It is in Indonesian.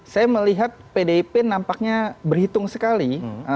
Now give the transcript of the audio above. saya melihat pdip nampaknya berhitung sekali